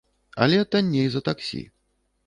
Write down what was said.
Але танней за таксі.